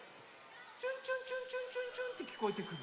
「チュンチュンチュンチュンチュンチュン」ってきこえてくる。